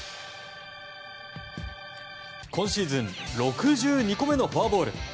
今シーズン６２個目のフォアボール。